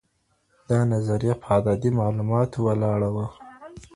دا نظریه په عددي معلوماتو ولاړه وه.